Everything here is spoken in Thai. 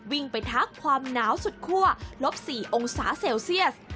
วิ่งไปทักความหนาวสุดคั่วลบ๔องศาเซลเซียส